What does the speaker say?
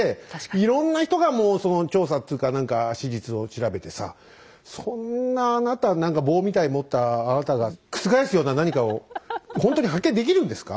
いろんな人がもう調査っつか何か史実を調べてさそんなあなた何か棒みたい持ったあなたが覆すような何かをほんとに発見できるんですか？